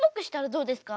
こうですか？